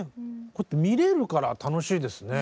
こうやって見れるから楽しいですね。